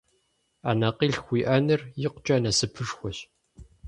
Анэкъилъху уиӏэныр икъукӏэ насыпышхуэщ!